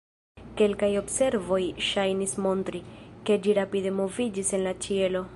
Kelkaj observoj ŝajnis montri, ke ĝi rapide moviĝis en la ĉielo.